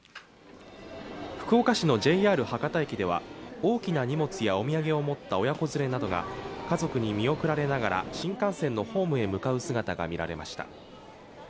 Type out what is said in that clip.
福岡市のＪＲ博多駅では大きな荷物やお土産を持った親子連れなどが家族に見送られながら新幹線のホームへ向かう姿が見られました。